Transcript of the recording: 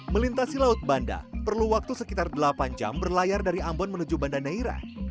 melintasi laut banda perlu waktu sekitar delapan jam berlayar dari ambon menuju banda neira